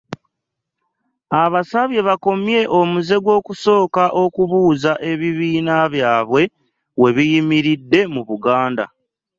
Abasabye bakomye omuze gw'okusooka okubuuza ebibiina byabwe we biyimiridde mu Buganda